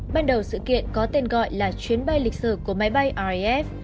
ban đầu sự kiện có tên gọi là chuyến bay lịch sử của máy bay ref